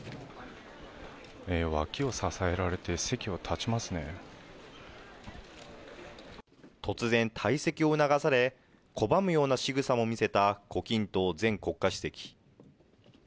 脇を支えられて、席を立ちま突然、退席を促され、拒むようなしぐさも見せた胡錦涛前国家主席。